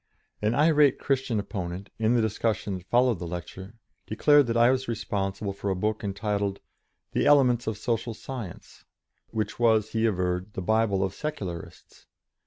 An irate Christian opponent, in the discussion that followed the lecture, declared that I was responsible for a book entitled, "The Elements of Social Science," which was, he averred, "The Bible of Secularists."